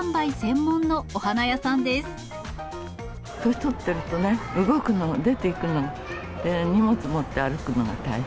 年とってるとね、動くの、出ていくの、荷物持って歩くのも大変。